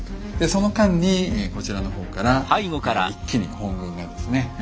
その間にこちらの方から一気に本軍がですね